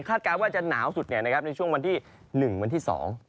คาดการณ์ว่าจะหนาวสุดในช่วงวันที่๑วันที่๒